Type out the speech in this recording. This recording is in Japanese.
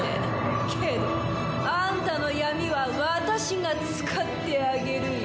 けどアンタの闇は私が使ってあげるよ！